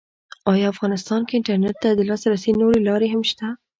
ایا افغانستان کې انټرنېټ ته د لاسرسي نورې لارې هم شته؟